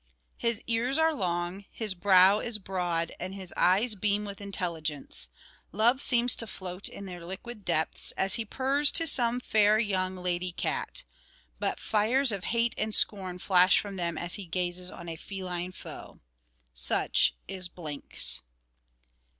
His ears are long, his brow is broad, and his eyes beam with intelligence; love seems to float in their liquid depths as he purrs to some fair young lady cat, but fires of hate and scorn flash from them as he gazes on a feline foe. Such is Blinks.